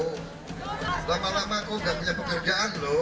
lama lama kau gak punya pekerjaan loh